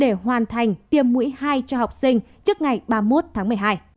để hoàn thành tiêm mũi hai cho học sinh trước ngày ba mươi một tháng một mươi hai